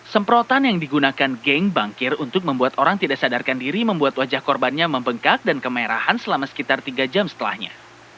semprotan yang digunakan geng bangkir untuk membuat orang tidak sadarkan diri membuat wajah korbannya membengkak dan kemerahan selama sekitar tiga jam setelahnya